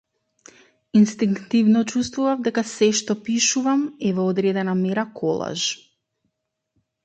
Инстинктивно чувствував дека сѐ што пишувам е во одредена мера колаж.